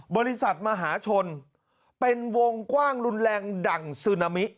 บริษัทมหาชนเป็นวงกว้างรุนแรงดั่งซึนามิ